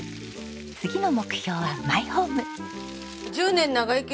次の目標はマイホーム！